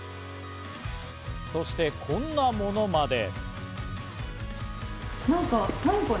そして、こんなものまで。